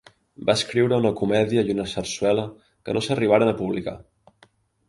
Va escriure una comèdia i una sarsuela que no s'arribaren a publicar.